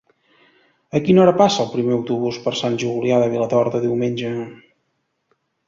A quina hora passa el primer autobús per Sant Julià de Vilatorta diumenge?